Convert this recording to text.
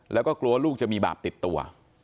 แล้วก็กลัวลูกจะมีบาปติดตัว